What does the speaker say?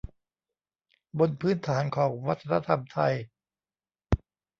บนพื้นฐานของวัฒนธรรมไทย